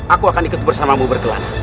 aku akan ikut bersamamu berkelana